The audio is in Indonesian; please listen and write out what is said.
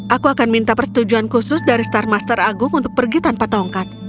aku akan minta persetujuan khusus dari star master agung untuk pergi tanpa tongkat